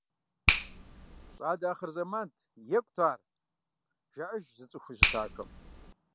«Щӏалэ ахъырзэмант, екӏут ар», – жаӏэж зыцӏыхуу щытахэм.